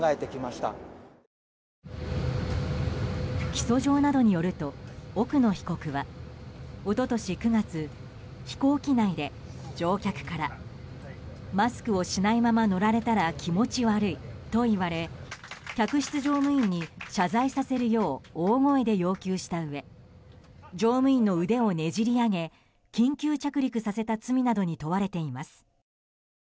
起訴状などによると奥野被告は一昨年９月飛行機内で乗客からマスクをしないまま乗られたら気持ち悪いと言われ客室乗務員に謝罪させるよう大声で要求したうえ乗務員の腕をねじり上げ緊急着陸させた罪などに問われています。